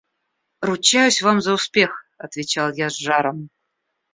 – Ручаюсь вам за успех, – отвечал я с жаром.